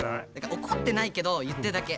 おこってないけど言ってるだけ。